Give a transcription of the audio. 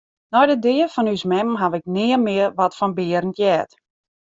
Nei de dea fan ús mem haw ik nea mear wat fan Berend heard.